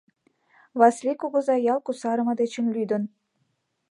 Васлий кугыза ял кусарыме дечын лӱдын.